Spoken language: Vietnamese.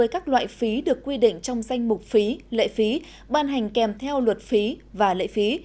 các loại phí được quy định trong danh mục phí lệ phí ban hành kèm theo luật phí và lệ phí